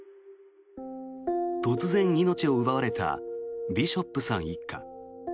突然、命を奪われたビショップさん一家。